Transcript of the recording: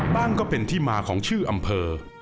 ก็เป็นที่มาของชื่ออำเภอ